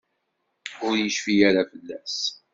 Ur yecfi ara fell-as.